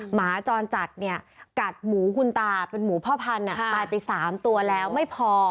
หมาจรจัดเนี่ยกัดหมูคุณตาเป็นหมูพ่อพันธุ์ตายไป๓ตัวแล้วไม่พอ